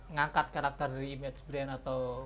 ngangkat karakter dari image brand atau